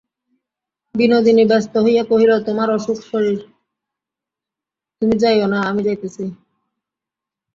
বিনোদিনী ব্যস্ত হইয়া কহিল, তোমার অসুখ-শরীর, তুমি যাইয়ো না, আমি যাইতেছি।